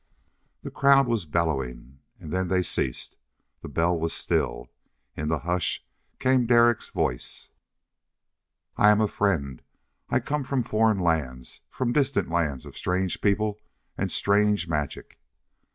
The crowd was bellowing, and then they ceased. The bell was still. In the hush came Derek's voice: "I am a friend. I come from foreign lands, from distant lands of strange people and strange magic."